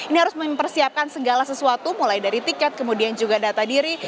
ini harus mempersiapkan segala sesuatu mulai dari tiket kemudian juga data diri